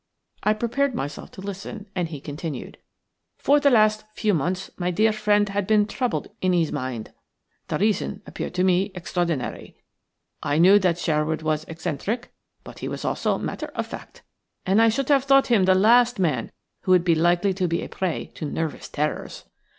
I prepared myself to listen, and he continued:– "For the last few months my dear friend had been troubled in his mind. The reason appeared to me extraordinary. I knew that Sherwood was eccentric, but he was also matter of fact, and I should have thought him the last man who would be likely to be a prey to nervous terrors.